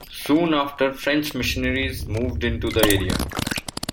Soon after French missionaries moved into the area.